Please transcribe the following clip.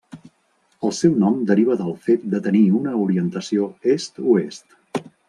El seu nom deriva del fet de tenir una orientació est-oest.